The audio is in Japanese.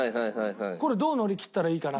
これどう乗り切ったらいいかなって。